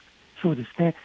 そうですね。